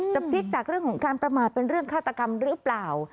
พลิกจากเรื่องของการประมาทเป็นเรื่องฆาตกรรมหรือเปล่า